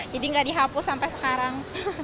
jadi nggak dihapus sampai sekarang